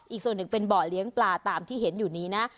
อีกส่วนหนึ่งเป็นบ่อเลี้ยงปลาตามที่เห็นอยู่นี้นะ